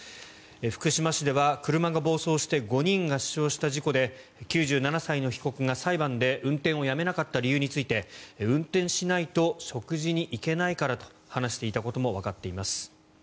福島市では車が暴走して５人が死傷した事故で９７歳の被告が裁判で運転をやめなかった理由について運転しないと食事に行けないからと話していたこともわかっています。